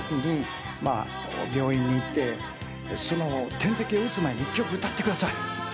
点滴を打つ前に１曲歌ってください。